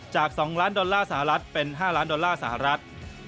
จาก๒ล้านดอลลาร์สหรัฐเป็น๕ล้านดอลลาร์สหรัฐ